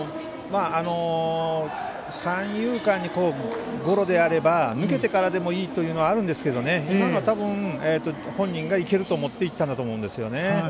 三遊間にゴロであれば抜けてからでもいいというのもあるんですけど今のは多分本人がいけると思っていったんだと思うんですよね。